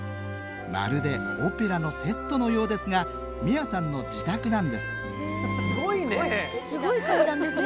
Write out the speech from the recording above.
まるでオペラのセットのようですが美愛さんの自宅なんですすごいね！